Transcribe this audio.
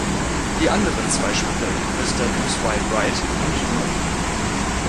Die anderen zwei Spiele, Mr. Do's Wild Ride und Do!